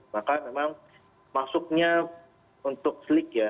maka memang maksudnya untuk sleek ya